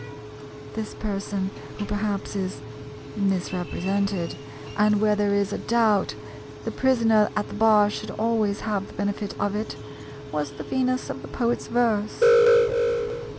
This person, who perhaps is misrepresented and where there is a doubt the prisoner at the bar should always have the benefit of it was the Venus of the poet's verse.